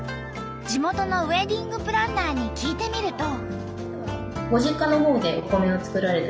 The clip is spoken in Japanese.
地元のウエディングプランナーに聞いてみると。